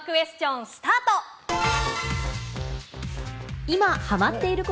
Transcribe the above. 生クエスチョンスタート。